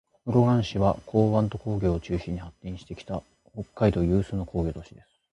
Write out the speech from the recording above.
室蘭市は、港湾と工業を中心に発展してきた、北海道有数の工業都市です。